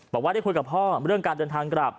บอกว่าได้คุยกับพ่อเรื่องการเดินทางกลับ